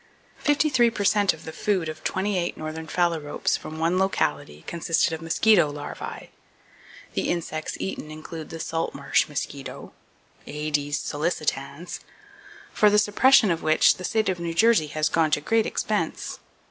Fifty three per cent of the food of twenty eight northern phalaropes from one locality consisted of mosquito larvae. The insects eaten include the salt marsh mosquito (Aedes sollicitans), for the suppression of which the State of New Jersey has gone to great expense.